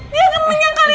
dia akan menyangkal ini ma